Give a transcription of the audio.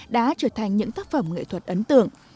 đã trở thành những tác phẩm nghệ thuật ấn tượng